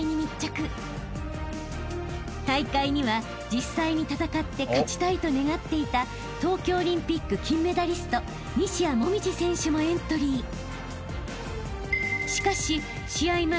［大会には実際に戦って勝ちたいと願っていた東京オリンピック金メダリスト西矢椛選手もエントリー］